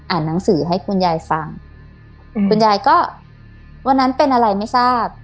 หนังสือให้คุณยายฟังอืมคุณยายก็วันนั้นเป็นอะไรไม่ทราบ